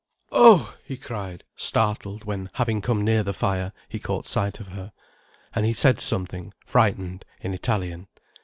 "Oh!" he cried, startled when, having come near the fire, he caught sight of her. And he said something, frightened, in Italian.